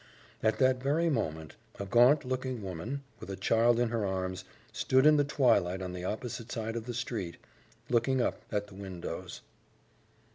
At that very moment a gaunt looking woman, with a child in her arms, stood in the twilight on the opposite side of the street, looking up at the windows.